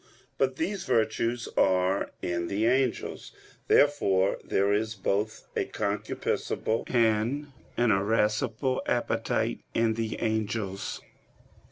But these virtues are in the angels. Therefore there is both a concupiscible and an irascible appetite in the angels.